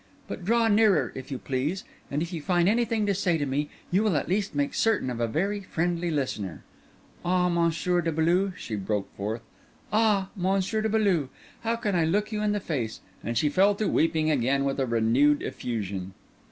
But draw nearer, if you please; and if you find anything to say to me, you will at least make certain of a very friendly listener. Ah! Monsieur de Beaulieu," she broke forth—"ah! Monsieur de Beaulieu, how can I look you in the face?" And she fell to weeping again with a renewed effusion.